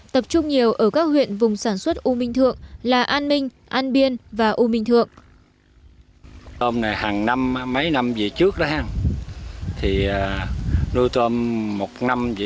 tập trung nhiều ở các huyện vùng sản xuất u minh thượng là an minh an biên và u minh thượng